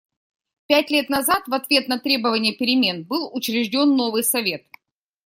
Пять лет назад, в ответ на требования перемен, был учрежден новый Совет.